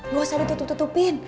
lu harus ada tutup tutupin